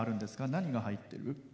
何が入ってる？